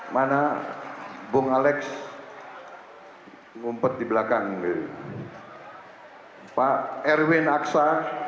mana bung alex ngumpet di belakang pak erwin aksa